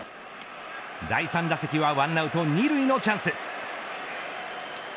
第３打席は１アウト２塁のチャンス。